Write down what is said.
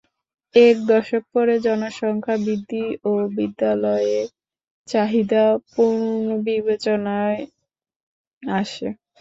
এক দশক পরে জনসংখ্যা বৃদ্ধি ও বিশ্ববিদ্যালয়ের চাহিদা পুনর্বিবেচনায় আসে।